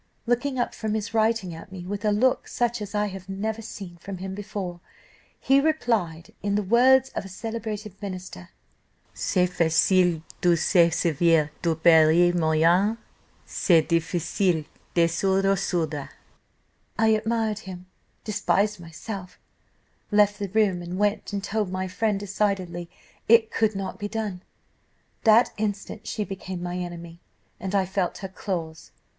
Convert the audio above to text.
"Looking up from his writing at me, with a look such as I had never seen from him before, he replied, in the words of a celebrated minister, 'C'est facile de se servir de pareils moyens, c'est difficile de s'y resoudre.' "I admired him, despised myself, left the room, and went and told my friend decidedly it could not be done. That instant, she became my enemy, and I felt her claws.